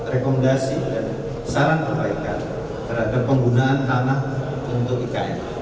rekomendasi dan saran perbaikan terhadap penggunaan tanah untuk ikn